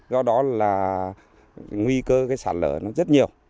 do đó là nguy cơ cái sạt lở nó rất nhiều